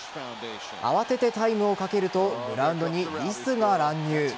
慌ててタイムをかけるとグラウンドにリスが乱入。